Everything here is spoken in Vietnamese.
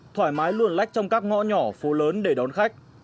không phải vào bến đón khách trong các ngõ nhỏ phố lớn để đón khách